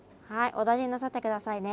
お大事になさって下さいね。